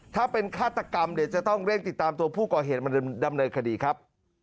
ถ้าเป็นฆาตกรรมเดี๋ยวจะต้องเร่งติดตามตัวผู้ก่อเหตุมาดำเนินคดีครับ